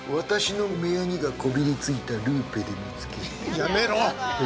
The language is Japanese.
やめろ！